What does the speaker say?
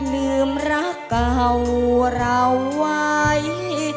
ลืมรักเก่าเราไว้